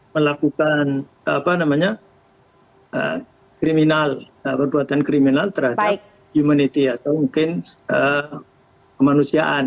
melakukan apa namanya kriminal perbuatan kriminal terhadap humanity atau mungkin kemanusiaan